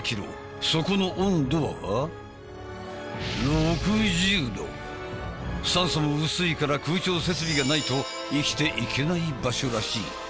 そこの温度は酸素も薄いから空調設備がないと生きていけない場所らしい。